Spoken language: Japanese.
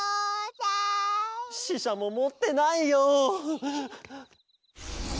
ししゃももってないよ。